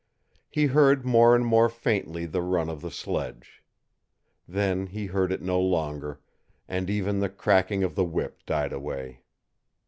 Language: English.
He heard more and more faintly the run of the sledge. Then he heard it no longer, and even the cracking of the whip died away.